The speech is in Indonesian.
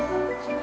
gak aktif juga